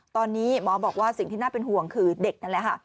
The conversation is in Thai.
ตอนนี้หมอบอกว่าสิ่งที่น่าเป็นห่วงคือเด็กนั่นแหละค่ะ